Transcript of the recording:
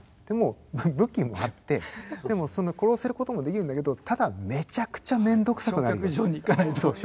でも武器もあってでも殺せることもできるんだけどただめちゃくちゃめんどくさくなるよって。